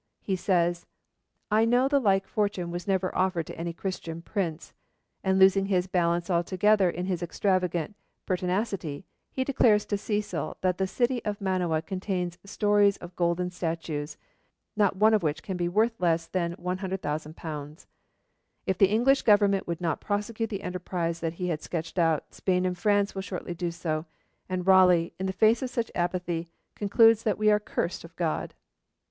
He says, 'I know the like fortune was never offered to any Christian prince,' and losing his balance altogether in his extravagant pertinacity, he declares to Cecil that the city of Manoa contains stores of golden statues, not one of which can be worth less than 100,000_l._ If the English Government will not prosecute the enterprise that he has sketched out, Spain and France will shortly do so, and Raleigh, in the face of such apathy, 'concludes that we are cursed of God.'